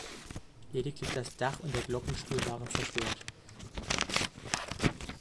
Lediglich das Dach und der Glockenstuhl waren zerstört.